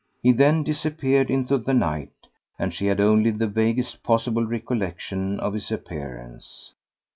He then disappeared into the night, and she had only the vaguest possible recollection of his appearance.